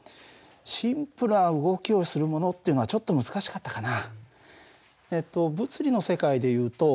シンプルな動きをするものっていうのはちょっと難しかったかな。